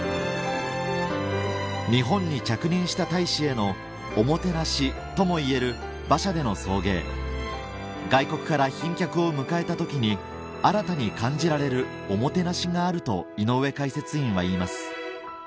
日本に着任した大使へのおもてなしともいえる馬車での送迎外国から賓客を迎えた時に新たに感じられるおもてなしがあると井上解説員は言います